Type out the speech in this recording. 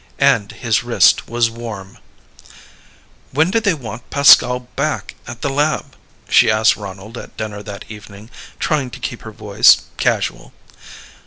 And his wrist was warm! "When do they want Pascal back at the lab?" she asked Ronald at dinner that evening, trying to keep her voice casual.